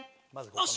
よし！